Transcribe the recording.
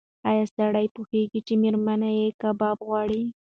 ایا سړی پوهېږي چې مېرمن یې کباب غواړي؟